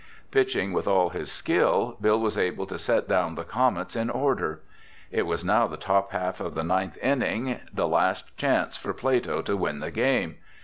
Pitching with all his skill, Bill was able to set down the Comets in order. It was now the top half of the ninth inning, the last chance for Plato to win the game.